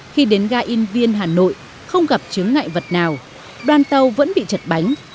khi đến ga in viên hà nội không gặp chứng ngại vật nào đoàn tàu vẫn bị chật bánh